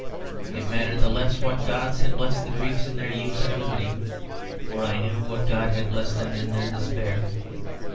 It mattered the less what gods had blessed the Greeks in their youth and liberty; for I knew what god had blessed them in their despair.